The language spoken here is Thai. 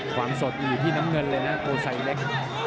ความสดอยู่ที่น้ำเงินเลยนะโกไซเล็ก